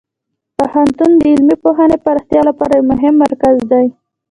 پوهنتون د علمي پوهې پراختیا لپاره یو مهم مرکز دی.